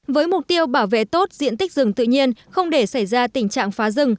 với mục tiêu bảo vệ tốt diện tích rừng tự nhiên không để xảy ra tình trạng phá rừng